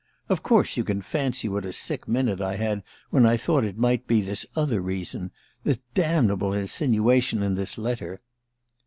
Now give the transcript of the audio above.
Of course you can fancy what a sick minute I had when I thought it might be this other reason the damnable insinuation in this letter."